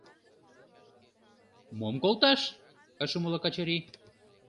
— Мом колташ? — ыш умыло Качырий.